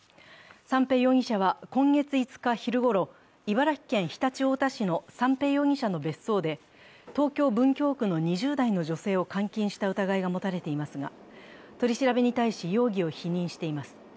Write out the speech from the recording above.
三瓶容疑者は今月５日昼ごろ茨城県常陸太田市の三瓶容疑者の別荘で東京・文京区の２０代の女性を監禁した疑いが持たれていますが、取り調べに対し、容疑を否認しています。